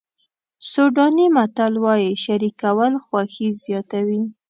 سوډاني متل وایي شریکول خوښي زیاتوي.